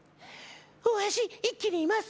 大橋一気に言います。